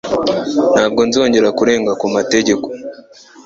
Ntabwo nzongera kurenga ku mategeko.